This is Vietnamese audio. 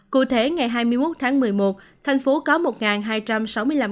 cụ thể ngày hai mươi một tháng một mươi một thành phố có một hai trăm sáu mươi năm